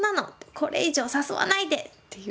これ以上誘わないで」っていう。